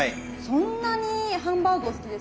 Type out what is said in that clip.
そんなにハンバーグお好きですか？